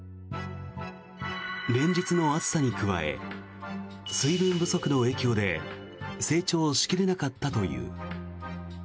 連日の暑さに加え水分不足の影響で成長しきれなかったという。